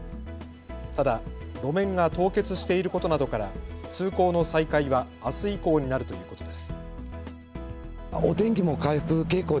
ただ路面が凍結していることなどから通行の再開はあす以降になるということです。